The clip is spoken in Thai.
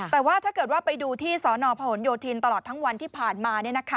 แต่ว่าถ้าเกิดว่าไปดูที่สนพหนโยธินตลอดทั้งวันที่ผ่านมา